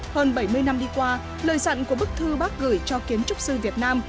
hơn bảy mươi năm đi qua lời dặn của bức thư bác gửi cho kiến trúc sư việt nam